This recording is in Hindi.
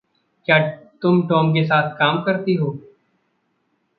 क्या तुम टॉम के साथ काम करती हो?